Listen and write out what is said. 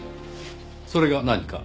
それが何か？